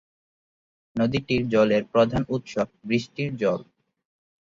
নদীটির জলের প্রধান উৎস বৃষ্টির জল।